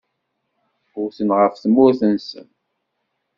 Wten ɣef tmurt-nsen.